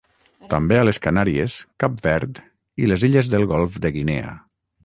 També a les Canàries, Cap Verd i les illes del Golf de Guinea.